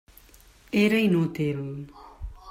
Era inútil.